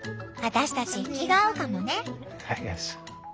私たち気が合うかもね。